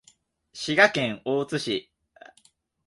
滋賀県大津市